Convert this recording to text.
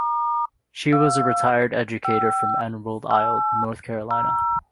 She was a retired educator from Emerald Isle, North Carolina.